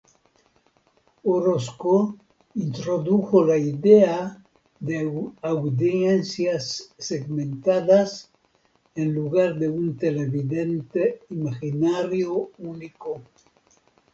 Orozco introdujo la idea de audiencias segmentadas en lugar de un televidente imaginario único.